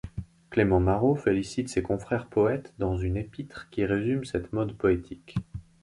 Clément Marot félicite ses confrères poètes dans une épître qui résume cette mode poétique.